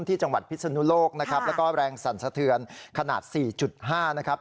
ที่จังหวัดพิศนุโลกนะครับแล้วก็แรงสั่นสะเทือนขนาด๔๕นะครับ